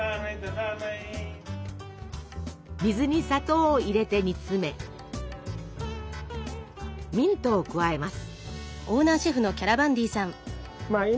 水に砂糖を入れて煮詰めミントを加えます。